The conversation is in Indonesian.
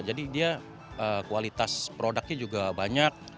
jadi dia kualitas produknya juga banyak